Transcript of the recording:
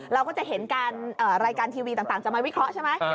เราก็จะเห็นการรายการทีวีต่างจะมาวิเคราะห์ใช่ไหม